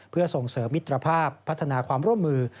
เพื่อส่งเสริมมิตรภาพพัฒนาความร่วมมือ